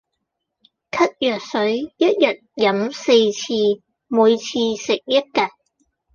咳藥水一日飲四次，每次食一格